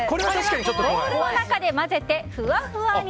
ボウルの中で混ぜてふわふわに！